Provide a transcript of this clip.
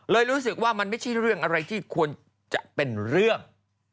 รู้สึกว่ามันไม่ใช่เรื่องอะไรที่ควรจะเป็นเรื่อง